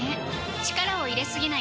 力を入れすぎない